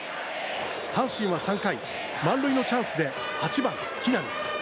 阪神は３回、満塁のチャンスで８番、木浪。